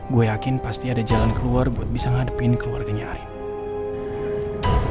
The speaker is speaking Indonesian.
gue yakin pasti ada jalan keluar buat bisa ngadepin keluarganya aib